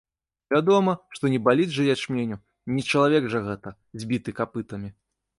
Вядома, што не баліць жа ячменю, не чалавек жа гэта, збіты капытамі.